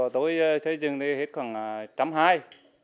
tối xây dựng thì hết khoảng trăm hai